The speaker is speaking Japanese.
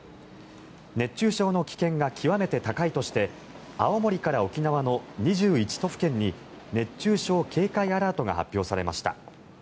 熱中症の危険が極めて高いとして青森から沖縄の２１都府県に熱中症警戒アラートが発表されました。